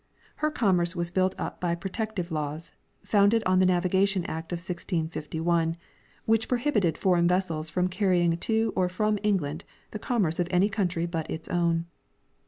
Her coinmerce was built up by protective laws, founded on the Navigation Act of 1651, which prohibited foreign vessels from carrying to or from England the commerce of any country but its own.